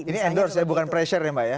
ini endorse ya bukan pressure ya mbak ya